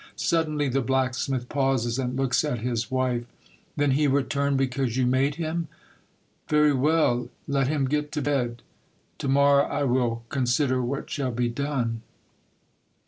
Suddenly the black smith pauses, and looks at his wife. " Then he returned because you made him ! Very well ! Let him get to bed. To morrow I will consider what shall be done."